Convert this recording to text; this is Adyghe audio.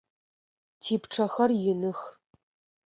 Типчъэхэр иных.